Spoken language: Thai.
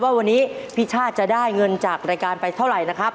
ว่าวันนี้พี่ชาติจะได้เงินจากรายการไปเท่าไหร่นะครับ